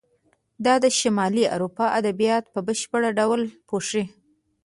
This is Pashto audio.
دا د شمالي اروپا ادبیات په بشپړ ډول پوښي.